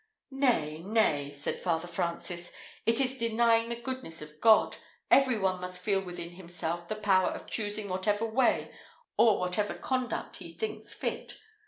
"Nay, nay," said Father Francis, "it is denying the goodness of God. Every one must feel within himself the power of choosing whatever way or whatever conduct he thinks fit.